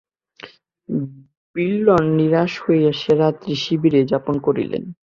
বিল্বন নিরাশ হইয়া সে রাত্রি শিবিরেই যাপন করিলেন।